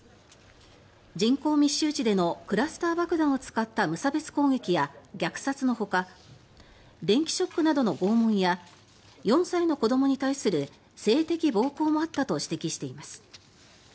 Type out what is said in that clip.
人口密集地でのクラスター爆弾を使った無差別攻撃や虐殺のほか電気ショックなどの拷問や４歳の子どもに対する性的暴行もあったと指摘しています。